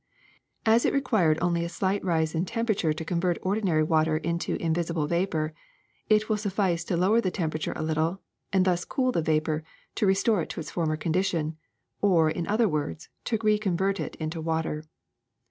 ^^As it required only a slight rise in temperature to convert ordinary water into invisible vapor, it will suffice to lower the temperature a little, and thus cool the vapor, to restore it to its former condition, or in other words to reconvert it into water.